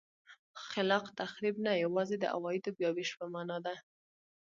خلاق تخریب نه یوازې د عوایدو بیا وېش په معنا ده.